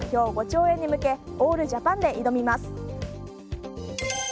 ５兆円に向けオールジャパンで挑みます。